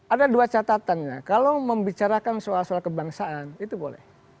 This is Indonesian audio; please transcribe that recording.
ada dua catatannya kalau membicarakan soal soal kebangsaan itu boleh